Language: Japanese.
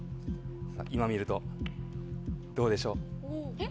今見るとどうでしょう？